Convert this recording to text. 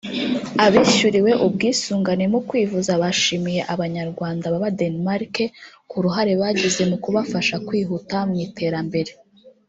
Abishyuriwe ubwisungane mu kwivuza bashimiye Abanyarwanda baba muri Denmark ku ruhare bagize mu kubafasha kwihuta mu iterambere